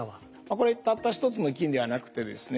これたった一つの菌ではなくてですね